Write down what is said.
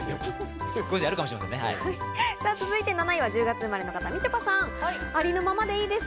そして７位は１０月生まれの方、みちょぱさんです。